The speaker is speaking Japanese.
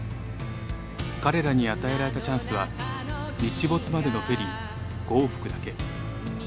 彼らに与えられたチャンスは日没までのフェリー５往復だけ。